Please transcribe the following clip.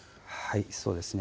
そうですね。